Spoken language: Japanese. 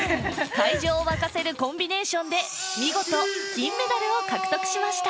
会場を沸かせるコンビネーションで見事金メダルを獲得しました